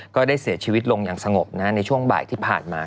ก็ได้เสียชีวิตลงอย่างสงบในช่วงบ่ายที่ผ่านมา